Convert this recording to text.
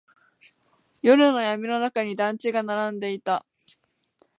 夜の闇の中に団地が並んでいた。